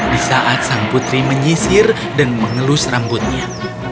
di saat sang putri menyisir dan mengelus rambutnya